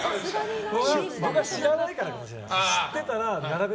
僕は知らないからかもしれない。